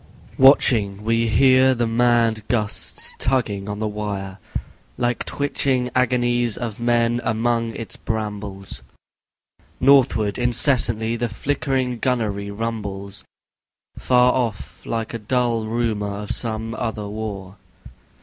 Watching, we hear the mad gusts tugging on the wire. Like twitching agonies of men among its brambles. Northward incessantly, the flickering gunnery rumbles, Far off, like a dull rumour of some other war.